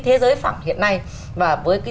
thế giới phẳng hiện nay và với